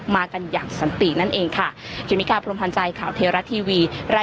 มากันอย่างสันติ